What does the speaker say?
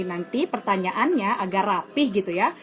nanti pertanyaannya agak rapih gitu ya